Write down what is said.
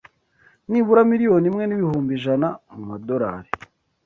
nibura miliyoni imwe n’ibihumbi ijana mu madolari